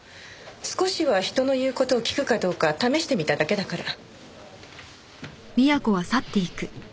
少しは人の言う事を聞くかどうか試してみただけだから。